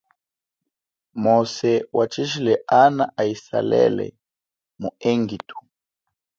Mose wachijile ana a aizalele mu engitu.